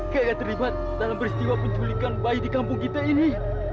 kayak terlibat dalam peristiwa penculikan bayi di kampung kita ini